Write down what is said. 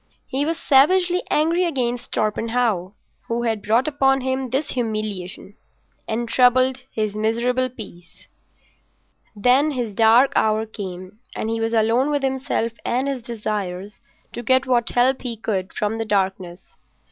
He was savagely angry against Torpenhow, who had brought upon him this humiliation and troubled his miserable peace. Then his dark hour came and he was alone with himself and his desires to get what help he could from the darkness.